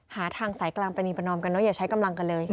หาทางสายกลางปรณีประนอมกันเนออย่าใช้กำลังกันเลย